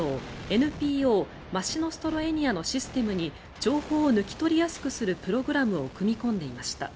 ＮＰＯマシノストロエニヤのシステムに情報を抜き取りやすくするプログラムを組み込んでいました。